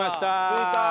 着いたー！